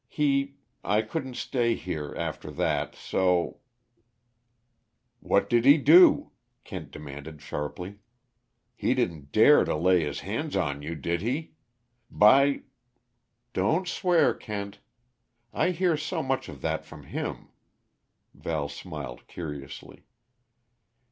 He I couldn't stay here, after that, so " "What did he do?" Kent demanded sharply. "He didn't dare to lay his hands on you did he? By " "Don't swear, Kent I hear so much of that from him!" Val smiled curiously.